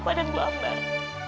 saya gak mau kehilangan ibu aku